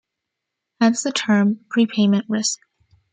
Hence the term "prepayment risk".